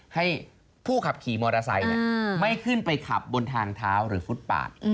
ให้ผู้ขับขี่มอเตอร์ไซค์ไม่ขึ้นไปขับบนทางเท้าหรือฟุตปาด